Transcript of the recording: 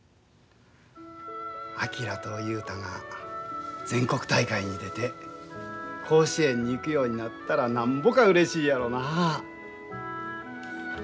昭と雄太が全国大会に出て甲子園に行くようになったらなんぼかうれしいやろなあ。